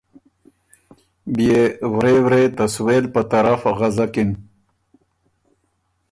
بيې ورے ورے ته سوېل په طرف غزکِن